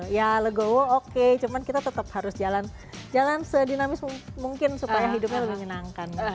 ya legowo oke cuman kita tetap harus jalan sedinamis mungkin supaya hidupnya lebih menyenangkan